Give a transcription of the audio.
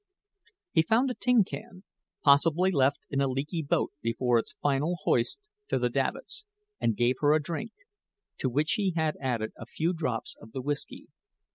He found a tin can possibly left in a leaky boat before its final hoist to the davits and gave her a drink, to which he had added a few drops of the whisky.